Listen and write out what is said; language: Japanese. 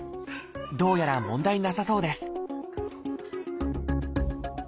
どうやら問題なさそうです